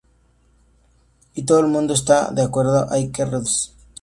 Y todo el mundo está de acuerdo: hay que reducirlos"".